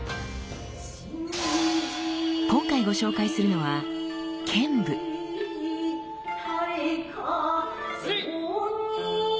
今回ご紹介するのはえい！